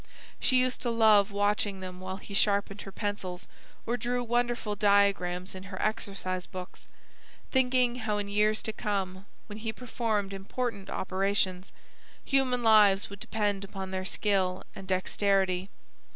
She used to love watching them while he sharpened her pencils or drew wonderful diagrams in her exercise books; thinking how in years to come, when he performed important operations, human lives would depend upon their skill and dexterity.